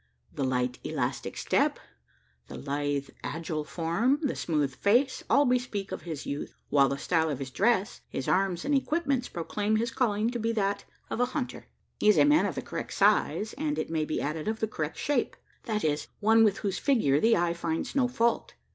The light elastic step, the lithe agile form, the smooth face, all bespeak his youth; while the style of his dress, his arms and equipments proclaim his calling to be that of a hunter. He is a man of the correct size, and, it may be added, of the correct shape that is, one with whose figure the eye finds no fault.